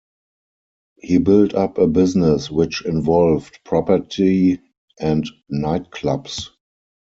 He built up a business which involved property and nightclubs.